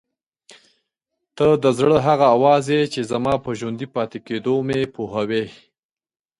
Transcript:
ته د زړه هغه اواز یې چې زما په ژوندي پاتې کېدو مې پوهوي.